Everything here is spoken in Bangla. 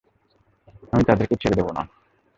আমি তাদেরকে ছেড়ে যাবো না।